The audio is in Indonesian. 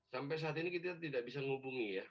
sampai saat ini kita tidak bisa menghubungi ya